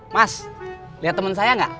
mas liat temen saya gak